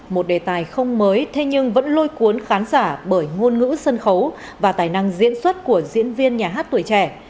một đề tài không mới thế nhưng vẫn lôi cuốn khán giả bởi ngôn ngữ sân khấu và tài năng diễn xuất của diễn viên nhà hát tuổi trẻ